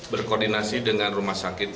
berkoordinasi dengan rumah sakit